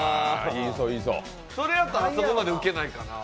それやと、あそこまでウケないかなあ。